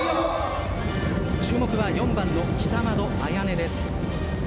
注目は４番の北窓絢音です。